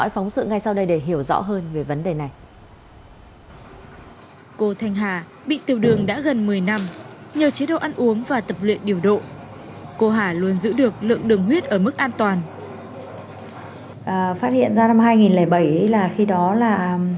phát hiện ra năm hai nghìn bảy là khi đó là một mươi hai